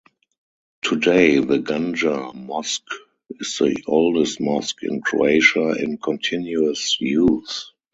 Today the Gunja Mosque is the oldest mosque in Croatia in continuous use.